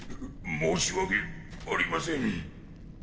申し訳ありません。